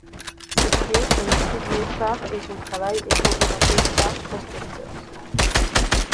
Ses vidéos sont distribuées par et son travail est représenté par Postmasters.